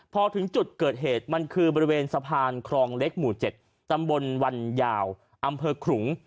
พอถึงจุดเกิดเหตุมันคือบริเวณสะพานครองเล็กหมู่๗ตำบลวันยาวอำเภอขลุง